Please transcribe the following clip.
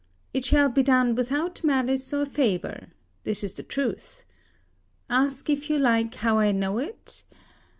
It shall be done without malice or favour. This is the truth. Ask if you like how I know it?